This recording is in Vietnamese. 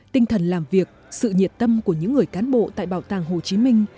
tinh thần làm việc sự nhiệt tâm của những người cán bộ tại bảo tàng hồ chí minh